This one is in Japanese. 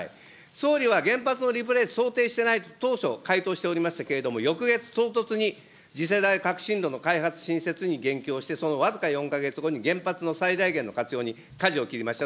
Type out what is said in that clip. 総理は原発のリプレイ、想定していないと、当初回答しておりましたけれども、翌月、唐突に次世代革新炉の開発・新設に言及をして、その僅か４か月後に原発の最大限の活用にかじを切りました。